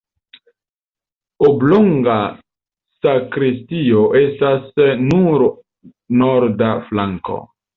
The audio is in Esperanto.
Oblonga sakristio estas sur norda flanko.